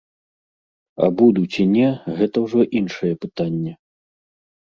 А буду ці не, гэта ўжо іншае пытанне.